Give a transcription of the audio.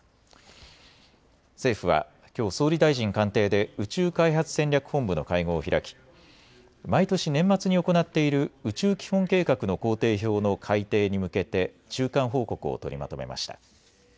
政府はきょう総理大臣官邸で宇宙開発戦略本部の会合を開き毎年、年末に行っている宇宙基本計画の工程表の改訂に向けて中間報告を取りまとめました。